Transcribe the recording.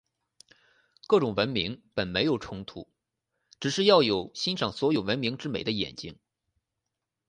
各种文明本没有冲突，只是要有欣赏所有文明之美的眼睛。